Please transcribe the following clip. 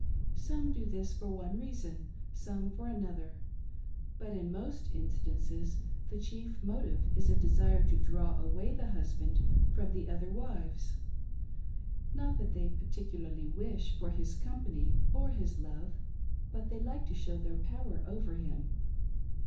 Some do this for one reason, some for another ; but in most instances the chief motive is a desire to draw away the husband from the other wives ;— not that they particularly wish for his company or his love, but they like to sh6w their power over him.